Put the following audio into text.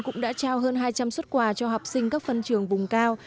cũng đã trao hơn hai trăm linh xuất quà cho học sinh các phân trường vùng cao